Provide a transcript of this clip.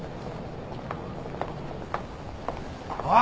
・おい！